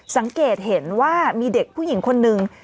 สังเกตเห็นว่ามีเด็กผู้หญิงคนนึง